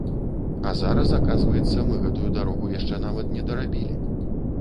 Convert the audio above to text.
А зараз аказваецца, мы гэтую дарогу яшчэ нават не дарабілі!